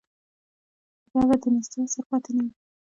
بیا به د نیستۍ اثر پاتې نه وي.